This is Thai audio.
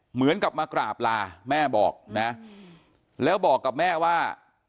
เหมือนกับมากราบลาแม่บอกนะแล้วบอกกับแม่ว่า